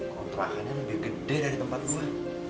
kok terahannya lebih gede dari tempat gua